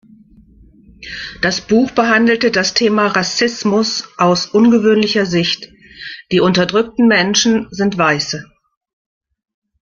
Das Buch behandelt das Thema Rassismus aus ungewöhnlicher Sicht: Die unterdrückten Menschen sind Weiße.